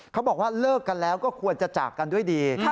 เขาบอกว่าเลิกกันแล้วก็ควรจะจากกันด้วยดี